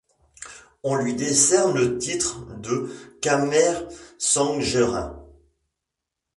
On lui décerne le titre de Kammersängerin.